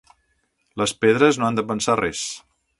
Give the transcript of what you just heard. Les pedres no han de pensar res.